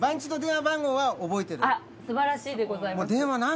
あっすばらしいでございます。